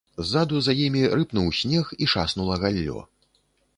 Ззаду за імі рыпнуў снег і шаснула галлё.